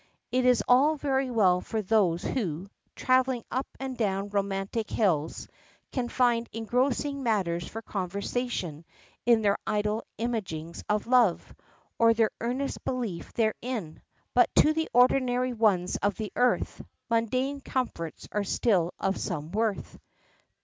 It is all very well for those who, traveling up and down romantic hills, can find engrossing matters for conversation in their idle imaginings of love, or their earnest belief therein, but to the ordinary ones of the earth, mundane comforts are still of some worth.